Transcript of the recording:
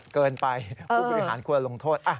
เกินไปผู้บริหารควรลงโทษ